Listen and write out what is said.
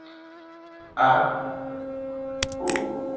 Arusha Kaimu Mkurugenzi wa Shirika la hifadhi za Taifa